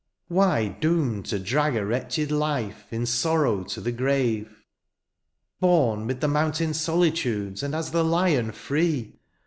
Why doomed to drag a wretched life In sorrow to the grave ? Bom ^mid the mountain solitudes, And as the lion free.